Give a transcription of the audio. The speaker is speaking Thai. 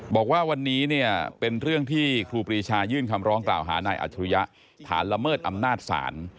บอกว่าวันนี้เนี่ยเป็นเรื่องที่ครูปรีชายื่นคำร้องกล่าวหานายอัจฉริยะฐานละเมิดอำนาจศาล